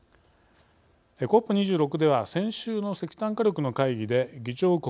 ＣＯＰ２６では先週の石炭火力の会議で議長国